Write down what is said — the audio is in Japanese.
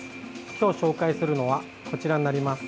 今日紹介するのはこちらになります。